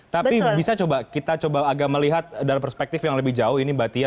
tapi bisa coba kita coba agak melihat dalam perspektif yang lebih jauh ini mbak tia